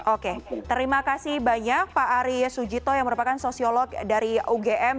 oke terima kasih banyak pak arya sujito yang merupakan sosiolog dari ugm